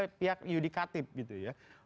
dengan misalnya pihak yudikatip gitu ya